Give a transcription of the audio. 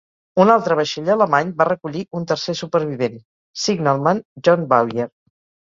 Un altre vaixell alemany va recollir un tercer supervivent, Signalman John Bowyer.